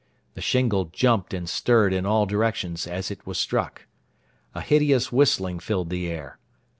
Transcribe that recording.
The shingle jumped and stirred in all directions as it was struck. A hideous whistling filled the air.